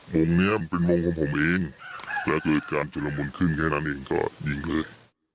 มงนี้เป็นมงของผมเองแล้วก็การจุดละมุนขึ้นแค่นั้นเองก็ยิงเลย